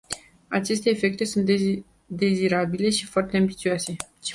Aceste efecte sunt dezirabile și foarte ambițioase.